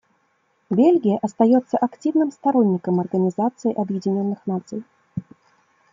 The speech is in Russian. Бельгия остается активным сторонником Организации Объединенных Наций.